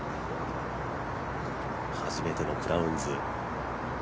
初めてのクラウンズ。